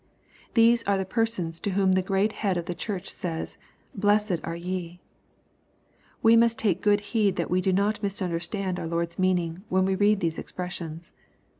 These are the persona to whom the great Head of the Church says, "Blessed are ye 1" We must take good heed that we do not misunder stand our Lord's meaning, when we read these expres sions.